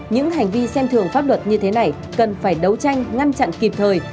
những hành vi xem thường pháp luật như thế này cần phải đấu tranh ngăn chặn kịp thời